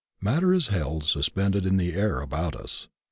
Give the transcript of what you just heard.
Matter is held suspended in the air about us.